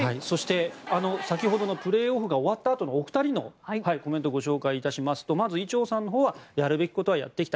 先ほどのプレーオフが終わったあとのお二人のコメントをご紹介致しますとまず伊調さんのほうはやるべきことはやってきた。